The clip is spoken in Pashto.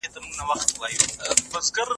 دولت باید د کلیسا په خدمت کي وي.